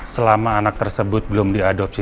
selama anak tersebut belum diadopsi